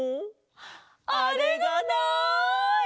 あれがない！